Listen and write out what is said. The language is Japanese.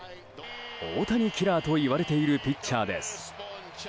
大谷キラーといわれているピッチャーです。